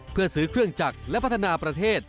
เพื่อซื้อเครื่องจักรและพัฒนาประเทศ